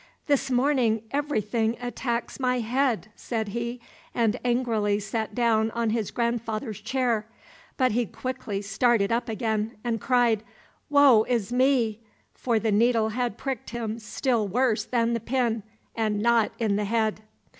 "This morning everything attacks my head," said he, and angrily sat down on his grandfather's chair, but he quickly started up again and cried, "Woe is me," for the needle had pricked him still worse than the pin, and not in the head.